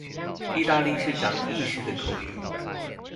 義大利市長義式的口音